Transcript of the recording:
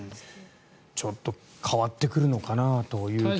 ちょっと変わってくるのかなという気もします。